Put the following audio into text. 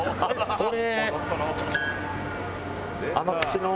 これ。